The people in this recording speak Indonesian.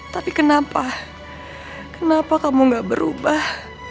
tapi kenapa kenapa kamu gak berubah